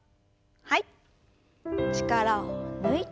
はい。